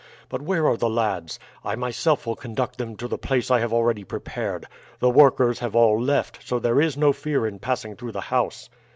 But where are the lads? I myself will conduct them to the place I have already prepared. The workers have all left, so there is no fear in passing through the house."